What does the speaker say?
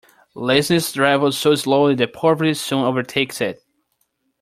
Laziness travels so slowly that poverty soon overtakes it.